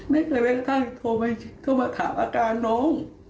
ไม่เคยไปกระทั่งโทรมาโทรมาถามอาการน้อง